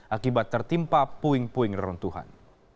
akibat tertimpa puing puing reruntuhan